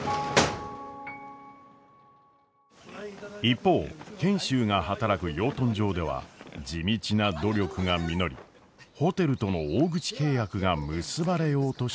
一方賢秀が働く養豚場では地道な努力が実りホテルとの大口契約が結ばれようとしていました。